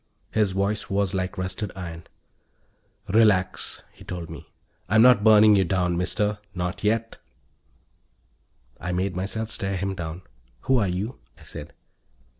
His voice was like rusted iron. "Relax," he told me. "I'm not burning you down, Mister. Not yet." I made myself stare him down. "Who are you?" I said.